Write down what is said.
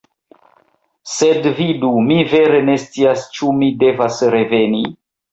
Sed vidu, mi vere ne scias, ĉu mi devas reveni?